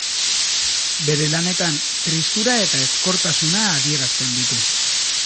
Bere lanetan tristura eta ezkortasuna adierazten ditu.